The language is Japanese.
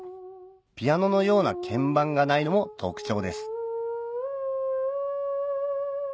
ピアノのような鍵盤がないのも特徴です